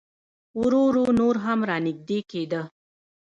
ورو ورو نور هم را نږدې کېده.